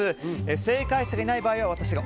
正解者がいない場合は、私が